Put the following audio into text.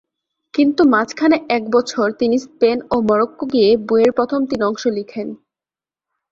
কিন্তু মাঝখানে এক বছর তিনি স্পেন ও মরক্কো গিয়ে বইয়ের প্রথম তিন অংশ লিখেন।